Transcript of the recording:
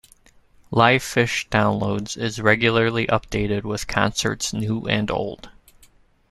LivePhish Downloads is regularly updated with concerts new and old.